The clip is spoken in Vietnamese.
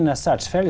nghĩ nhiều lần